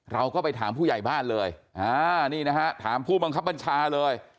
เราก็ไปถามผู้ใหญ่บ้านเลยอ่านี่นะฮะถามผู้บังคับบัญชาเลย